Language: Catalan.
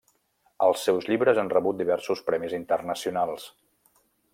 Els seus llibres han rebut diversos premis internacionals.